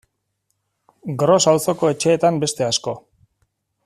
Gros auzoko etxeetan beste asko.